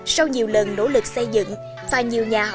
sau nhiều lần nỗ lực xây dựng và nhiều nhà học